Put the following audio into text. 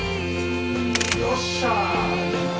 よっしゃ！